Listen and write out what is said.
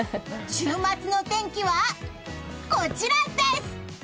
週末の天気はこちらです！